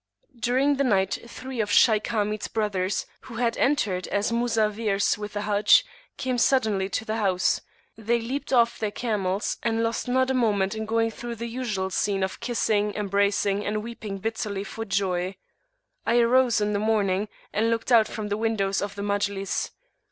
417]During the night three of Shaykh Hamid's brothers, who had entered as Muzawwirs with the Hajj, came suddenly to the house: they leaped off their camels, and lost not a moment in going through the usual scene of kissing, embracing, and weeping bitterly for joy. I arose in the morning, and looked out from the windows of the Majlis.